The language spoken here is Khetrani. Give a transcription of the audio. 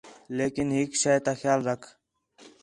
لیکن ہِک شے تا خیال رکھ